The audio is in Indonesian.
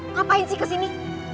ngapain sih kesini